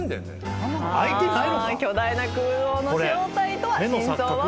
巨大な空洞の正体とは？